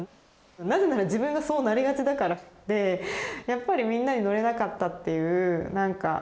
なぜなら自分がそうなりがちだからでやっぱりみんなに乗れなかったっていうなんか。